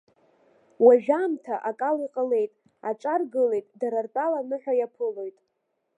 Уажәы аамҭа акала иҟалеит, аҿар гылеит, дара ртәала аныҳәа иаԥылоит.